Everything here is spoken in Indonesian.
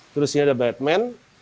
terus ini ada batman